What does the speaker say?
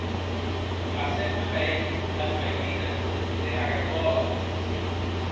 Passem a veir es veirines dera Gargòla.